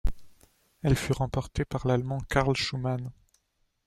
Elle fut remportée par l'allemand Carl Schumann.